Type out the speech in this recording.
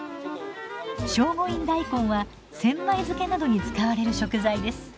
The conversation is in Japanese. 聖護院大根は千枚漬などに使われる食材です。